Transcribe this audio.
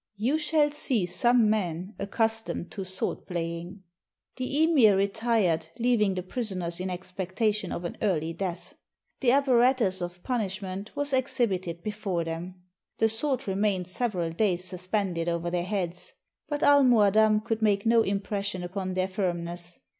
You shall sec some men accustomed to sword playing." The emir retired, leaving the prisoners in expectation of an early death. The apparatus of pimish ment was exhibited before them. The sword remained several days suspended over their heads ; but Almoadam could make no impression upon their firmness.